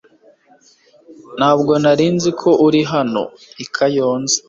Ntabwo nari nzi ko uri hano i Kayonza .